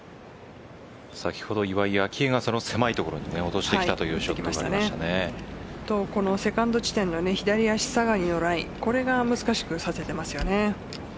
先ほど、岩井明愛がその狭い所に落としてきたというセカンド地点の左足下がりのライこれが難しくさせてますよね。